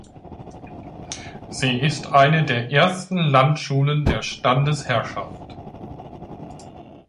Sie ist eine der ersten Landschulen der Standesherrschaft.